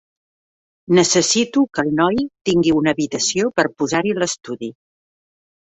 Necessito que el noi tingui una habitació per posar-hi l'estudi.